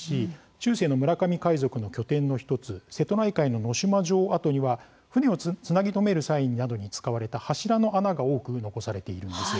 中世の村上海賊の拠点の一つ瀬戸内海の能島城跡には船をつなぎ止める際などに使われた柱の穴が多く残されているんです。